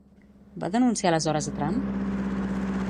Va denunciar aleshores a Trump?